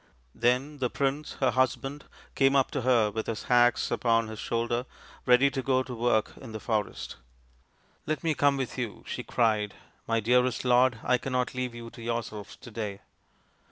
Then the prince, her husband, came up to her with his axe upon his shoulder, ready to go to work in the forest. " Let me come with you," she cried, " my THE GENTLE CONQUEROR 63 dearest lord, I cannot leave you to yourself to day."